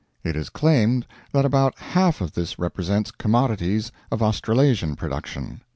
It is claimed that about half of this represents commodities of Australasian production.